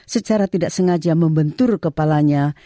secara tidak sengaja membentur kepalanya